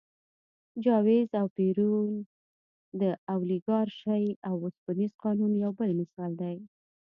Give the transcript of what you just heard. چاوېز او پېرون د اولیګارشۍ د اوسپنيز قانون یو بل مثال دی.